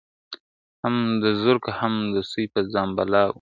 هم د زرکو هم د سوی په ځان بلا وو `